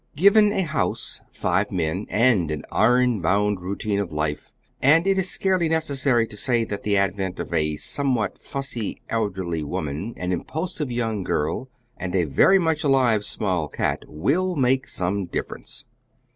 Given a house, five men, and an ironbound routine of life, and it is scarcely necessary to say that the advent of a somewhat fussy elderly woman, an impulsive young girl, and a very much alive small cat will make some difference.